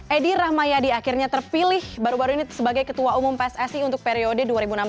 edi rahmayadi akhirnya terpilih baru baru ini sebagai ketua umum pssi untuk periode dua ribu enam belas dua ribu